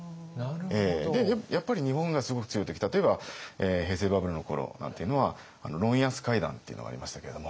やっぱり日本がすごく強い時例えば平成バブルの頃なんていうのはロン・ヤス会談っていうのがありましたけれども。